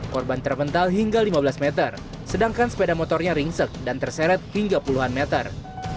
korban terpental hingga lima belas meter sedangkan sepeda motornya ringsek dan terseret hingga puluhan meter